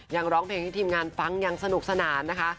ร้องเพลงให้ทีมงานฟังยังสนุกสนานนะคะ